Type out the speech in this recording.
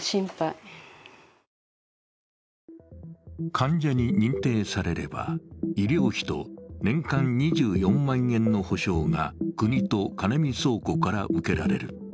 患者に認定されれば、医療費と年間２４万円の補償が国とカネミ倉庫から受けられる。